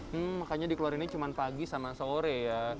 hmm makanya dikeluarinnya cuma pagi sama sore ya